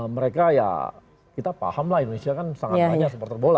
mereka ya kita pahamlah indonesia kan sangat banyak supporter bola